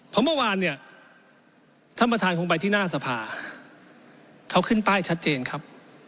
เพราะเมื่อวานเนี่ยท่านประธานคงไปที่หน้าสภาเขาขึ้นป้ายชัดเจนครับ